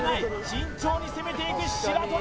慎重に攻めていく白鳥